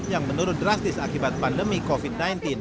yang menurun drastis akibat pandemi covid sembilan belas